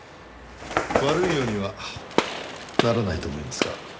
悪いようにはならないと思いますが。